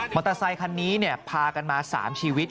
อเตอร์ไซคันนี้พากันมา๓ชีวิต